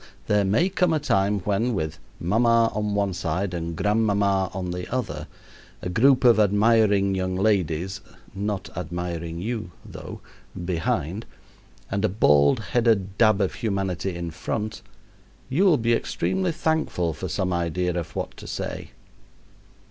There may come a time when, with mamma on one side and grand mamma on the other, a group of admiring young ladies (not admiring you, though) behind, and a bald headed dab of humanity in front, you will be extremely thankful for some idea of what to say.